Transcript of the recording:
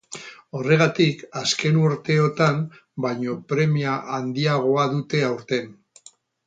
Horregatik, azken urteotan baino premia handiagoa dute aurten.